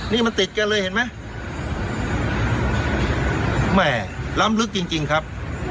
นี่มันติดกันเลยเห็นไหมแม่ล้ำลึกจริงจริงครับ